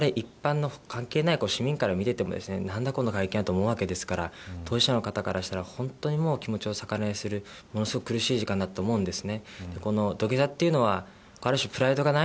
われわれ一般の関係ない市民から見ていても、なんだこの会見と思うわけですから当事者の方からしたら本当に気持ちを逆なでするものすごく苦しい時間だったと思います。